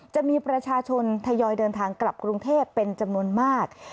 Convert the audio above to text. จะมีประชาชนทยอยเดินทางกลับกรุงเทพเป็นจำนวนมาก